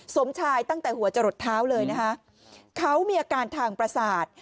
สมชายตั้งแต่หัวจะหลดเท้าเลยนะคะเขามีอาการทางประสาท